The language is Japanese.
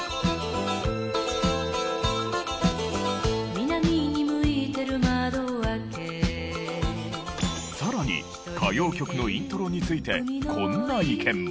「南にむいてる窓をあけ」更に歌謡曲のイントロについてこんな意見も。